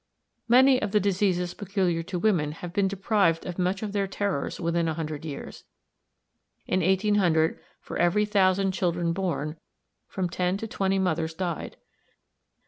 Many of the diseases peculiar to women have been deprived of much of their terrors within a hundred years. In 1800, for every thousand children born, from ten to twenty mothers died.